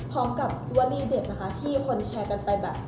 ปีก็แยกกับวันนี้เด็ดนะคะที่คุณแชร์กันไปแบบ